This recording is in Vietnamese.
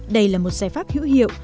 đây là một giải pháp hữu hiệu